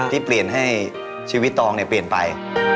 ที่เปลี่ยนให้ชีวิตตองเปลี่ยนไป